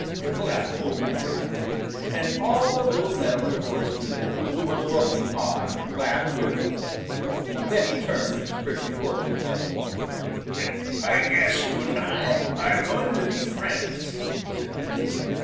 laughed Old Man Coyote, and all the little meadow and forest people who were looking on laughed with him. Then he turned to Prickly Porky. [Illustration: 0110] "I guess you and I are going to be friends," said he.